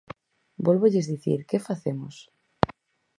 Vólvolles dicir, ¿que facemos?